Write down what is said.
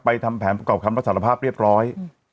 ไปทำแผนกลับคำและสารภาพเรียบร้อย